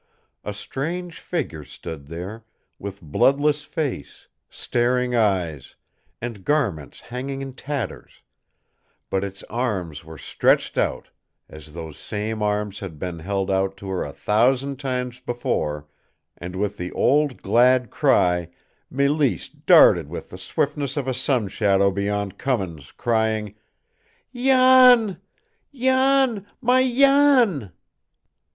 A strange figure stood there, with bloodless face, staring eyes, and garments hanging in tatters but its arms were stretched out, as those same arms had been held out to her a thousand times before, and, with the old glad cry, Mélisse darted with the swiftness of a sun shadow beyond Cummins, crying: "Jan, Jan my Jan!"